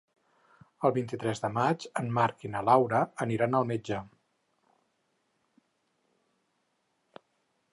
El vint-i-tres de maig en Marc i na Laura aniran al metge.